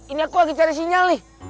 ini aku lagi cari sinyal nih